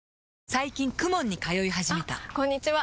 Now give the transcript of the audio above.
最近 ＫＵＭＯＮ に通い始めたあこんにちは！